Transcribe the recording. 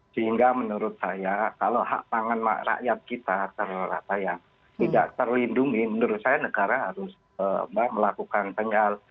sehingga menurut saya kalau hak pangan rakyat kita terlalu rata ya tidak terlindungi menurut saya negara harus melakukan kendali